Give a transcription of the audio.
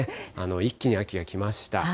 一気に秋が来ました。